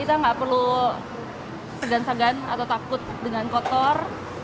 kita nggak perlu segan segan atau takut dengan kotor